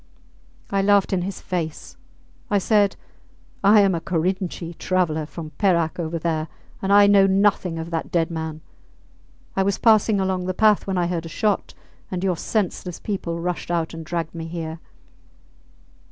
I laughed in his face. I said, I am a Korinchi traveller from Perak over there, and know nothing of that dead man. I was passing along the path when I heard a shot, and your senseless people rushed out and dragged me here.